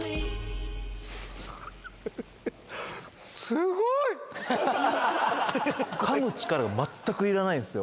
すごい！かむ力が全くいらないんですよ。